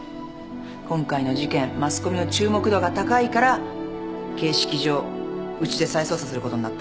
今回の事件マスコミの注目度が高いから形式上うちで再捜査することになった。